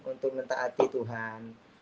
untuk mentaati tuhan